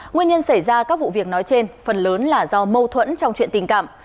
nguyên nhân xảy ra các vụ việc nói trên phần lớn là do mâu thuẫn trong chuyện tình cảm